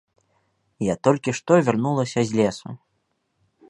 Я толькі што вярнулася з лесу.